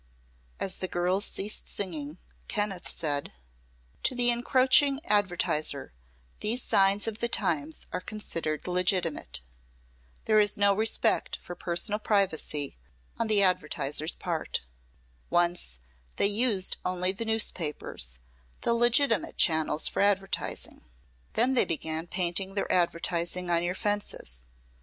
As the girls ceased singing, Kenneth said: "To the encroaching advertiser these signs of the times are considered legitimate. There is no respect for personal privacy on the advertiser's part. Once they used only the newspapers, the legitimate channels for advertising. Then they began painting their advertising on your fences.